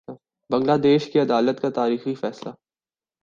بنگلہ دیش کی عدالت کا تاریخی فیصلہ